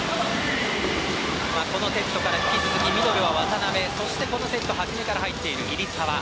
このセットから引き続きミドルは渡邊、そしてこのセット初めから入っている入澤